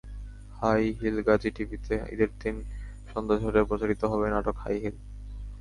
High হিলগাজী টিভিতে ঈদের দিন সন্ধ্যা ছয়টায় প্রচারিত হবে নাটক হাই হিল।